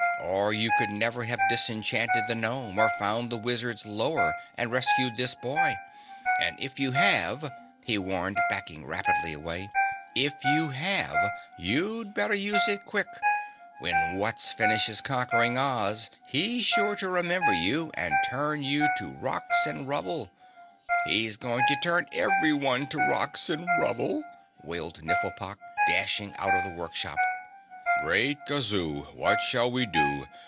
"Or you could never have disenchanted that gnome or found the wizard's Lower and rescued this boy; and if you have " he warned, backing rapidly away, "if you have, you'd better use it QUICK. When Wutz finishes conquering Oz, he's sure to remember you and turn you to rocks and rubble. He's going to turn everyone to rocks and rubble!" wailed Nifflepok, dashing out of the workshop. "Great Gazoo, what shall we do?